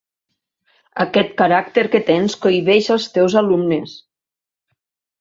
Aquest caràcter que tens cohibeix els teus alumnes.